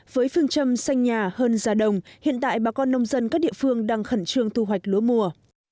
với phương châm xanh nhà hơn già đồng hiện tại bà con nông dân các địa phương đang khẩn trương thu hoạch lúa mùa